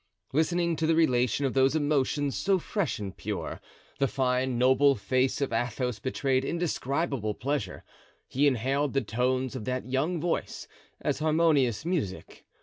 Listening to the relation of those emotions so fresh and pure, the fine, noble face of Athos betrayed indescribable pleasure; he inhaled the tones of that young voice, as harmonious music.